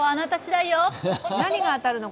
何が当たるの？